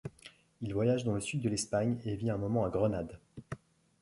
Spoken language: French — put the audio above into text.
Il voyage dans le sud de l’Espagne et vit un moment à Grenade.